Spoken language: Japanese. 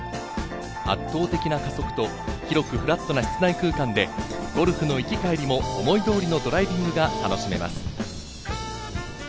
圧倒的な加速と、広くフラットな室内空間で、ゴルフの行き帰りも思い通りのドライビングが楽しめます。